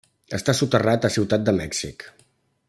Està soterrat a Ciutat de Mèxic.